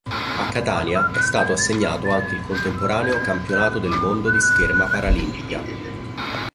A Catania è stato assegnato anche il contemporaneo Campionato del Mondo di Scherma Paralimpica.